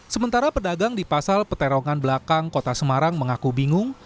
sementara pedagang di pasar peterongan belakang kota semarang mengaku bingung